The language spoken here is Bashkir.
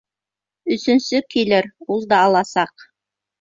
Өсөнсө килер, ул да аласаҡ.